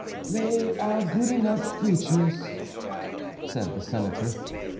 "They are good enough creatures," said the Senator.